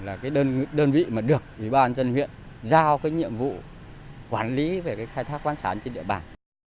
là cái đơn vị mà được ủy ban dân huyện giao cái nhiệm vụ quản lý về cái khai thác quán sản trên địa bàn